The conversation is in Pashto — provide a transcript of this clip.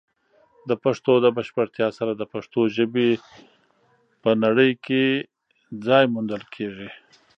د پښتو د بشپړتیا سره، د پښتو ژبې په نړۍ کې ځای موندل کیږي.